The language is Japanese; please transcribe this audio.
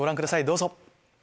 どうぞ。